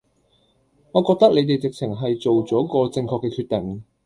我覺得你哋直情係做咗個正確嘅決定